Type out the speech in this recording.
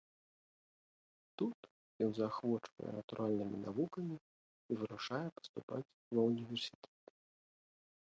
Тут ён заахвочвае натуральнымі навукамі і вырашае паступаць ва ўніверсітэт.